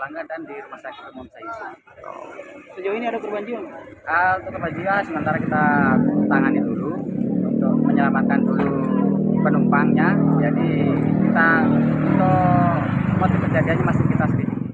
nah ini informasi dari keluarganya itu pengantar jemaah haji atau bagaimana